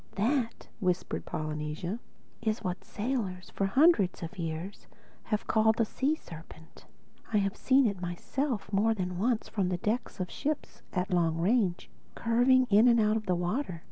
"That," whispered Polynesia, "is what sailors for hundreds of years have called the Sea serpent. I've seen it myself more than once from the decks of ships, at long range, curving in and out of the water.